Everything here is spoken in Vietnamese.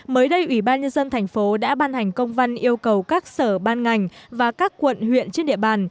mới đây ủy ban nhân dân thành phố đã ban hành công văn yêu cầu các sở ban ngành và các quận huyện trên địa bàn